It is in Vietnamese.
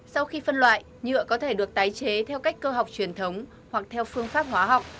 sau khi phân loại nhựa có thể được tái chế theo cách cơ học truyền thống hoặc theo phương pháp hóa học